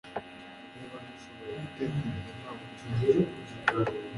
Niba dushobora gutekereza nta bucucu